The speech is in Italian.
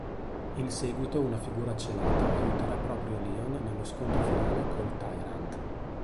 In seguito una figura celata aiuterà proprio Leon nello scontro finale col tyrant.